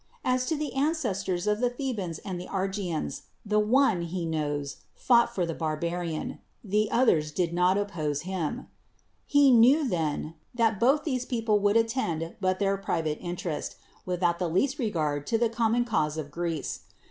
As to the ancestors of the Thebans and the Argians, the one, he knows, fought foi' the barbarian: the others did not oppose him. Tie kn^'w, then, that both these 113 THE WORLD'S FAMOUS ORATIONS people would attend but their private interest, without the least regard to the common cause of Greece.